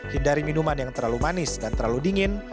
hindari minuman yang terlalu manis dan terlalu dingin